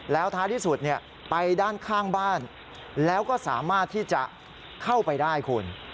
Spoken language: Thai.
แล้วท้ายที่สุดไปด้านข้างบ้านแล้วก็สามารถที่จะเข้าไปได้คุณ